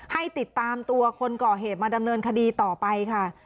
ให้ติดตามตัวคนก่อเหตุมาดำเนินคดีต่อไปค่ะ